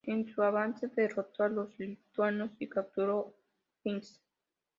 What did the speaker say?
En su avance, derrotó a los lituanos y capturó Pinsk.